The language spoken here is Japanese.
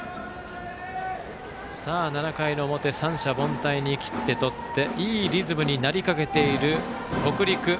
さあ、７回の表三者凡退に切って取っていいリズムになりかけている北陸。